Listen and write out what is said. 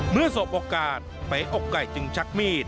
สบโอกาสเป๋อกไก่จึงชักมีด